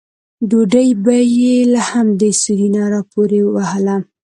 ډوډۍ به یې له همدې سوري نه راپورې وهله.